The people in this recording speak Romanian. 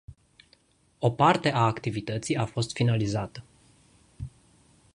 O parte a activității a fost finalizată.